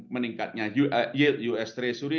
meningkatnya yield us treasury